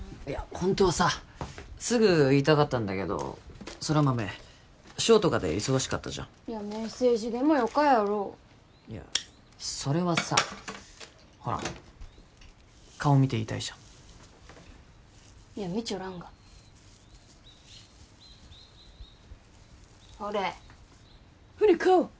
ホントはさすぐ言いたかったんだけど空豆ショーとかで忙しかったじゃんいやメッセージでもよかやろいやそれはさほら顔見て言いたいじゃんいや見ちょらんがほれほれ顔！